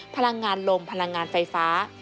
พลังงานลมพลังงานไฟฟ้า